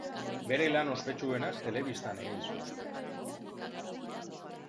Bere lan ospetsuenak telebistan egin zuen.